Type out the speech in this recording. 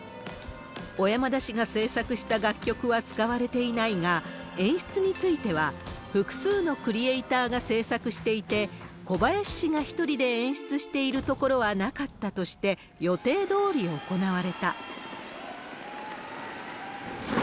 小山田氏が制作した楽曲は使われていないが、演出については、複数のクリエーターが制作していて、小林氏が１人で演出している所はなかったとして、予定どおり行われた。